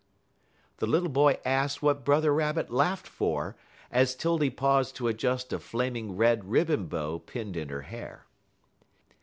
The little boy asked what Brother Rabbit laughed for, as 'Tildy paused to adjust a flaming red ribbon bow pinned in her hair.